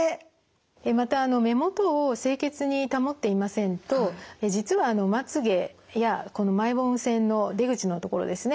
また目元を清潔に保っていませんと実はまつげやこのマイボーム腺の出口の所ですね